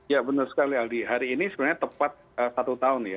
ya benar sekali aldi hari ini sebenarnya tepat satu tahun ya